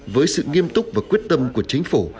với sự nghiêm túc và quyết tâm của chính phủ